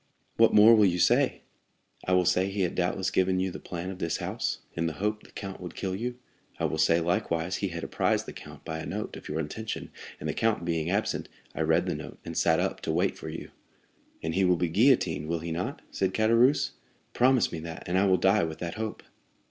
"What more will you say?" "I will say he had doubtless given you the plan of this house, in the hope the count would kill you. I will say, likewise, he had apprised the count, by a note, of your intention, and, the count being absent, I read the note and sat up to await you." "And he will be guillotined, will he not?" said Caderousse. "Promise me that, and I will die with that hope."